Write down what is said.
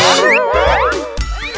aduh aduh aduh